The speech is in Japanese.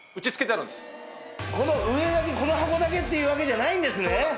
この上だけこの箱だけっていうわけじゃないんですね。